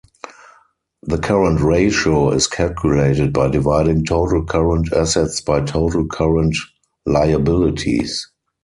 The current ratio is calculated by dividing total current assets by total current liabilities.